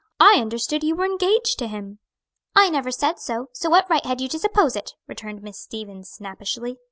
I understood you were engaged to him." "I never said so; so what right had you to suppose it?" returned Miss Stevens snappishly.